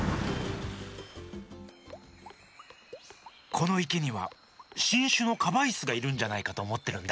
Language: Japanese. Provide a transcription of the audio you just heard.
このいけにはしんしゅのカバイスがいるんじゃないかとおもってるんだ。